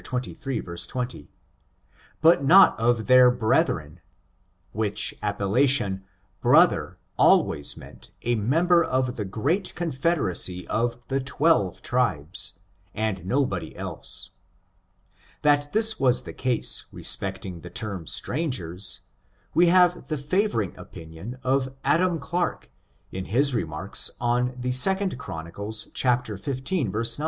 xxiii, 20, but not of their brethren^ which ap pellation brother always meant a member of the great confederacy of the twelve tribes, and nobody else. That this was the case respecting the term strangers, we have the favoring opinion of Adam Clarke, in his remarks on the 2 Chron. xv, 9.